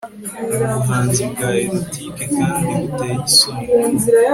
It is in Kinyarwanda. ubu buhanzi bwa erotic kandi buteye isoni